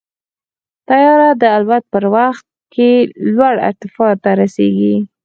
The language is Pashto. طیاره د الوت په وخت کې لوړ ارتفاع ته رسېږي.